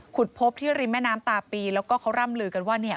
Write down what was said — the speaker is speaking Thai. พบที่ริมแม่น้ำตาปีแล้วก็เขาร่ำลือกันว่าเนี่ย